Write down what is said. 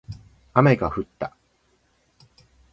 雨が降った